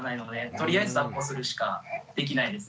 とりあえずだっこするしかできないです。